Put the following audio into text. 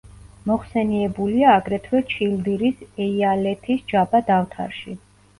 მოხსენიებულია აგრეთვე ჩილდირის ეიალეთის ჯაბა დავთარში.